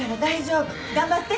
頑張って。